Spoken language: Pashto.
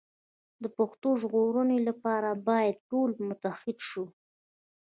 د پښتو د ژغورلو لپاره باید ټول متحد شو.